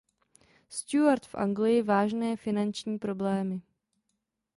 Stuart v Anglii vážné finanční problémy.